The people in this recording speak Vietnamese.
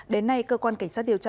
đến nay cơ quan cảnh sát điều tra